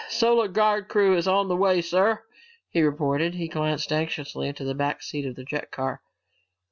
"Solar Guard crew is on the way, sir," he reported. He glanced anxiously into the back seat of the jet car.